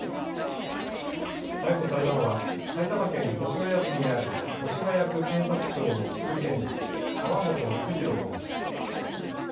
逮捕されたのは埼玉県越谷市にある越谷区検察庁の副検事川本満博本容疑者です。